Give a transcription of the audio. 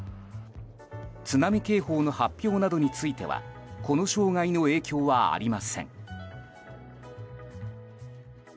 津波警報の発表などについてはこの障害の影響はありません。